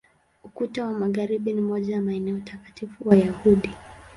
Ukuta wa Magharibi ni moja ya maeneo takatifu Wayahudi.